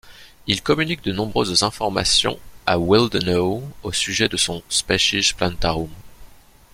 Il communique de nombreuses informations à Willdenow au sujet de son Species Plantarum.